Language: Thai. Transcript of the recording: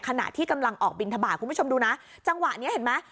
ขณะที่กำลังออกบินทบาทคุณผู้ชมดูนะจังหวะนี้เห็นไหม